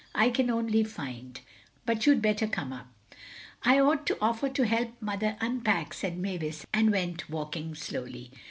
"I can only find—but you'd better come up." "I ought to offer to help Mother unpack," said Mavis, and went walking slowly.